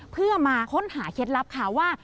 เพื่อมาค้นหาเคล็ดลับค่ะว่า